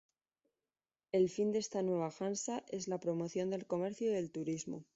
El fin de esta nueva Hansa es la promoción del comercio y del turismo.